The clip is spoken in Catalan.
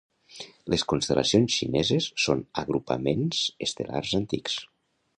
Les constel·lacions xineses són agrupaments estel·lars antics.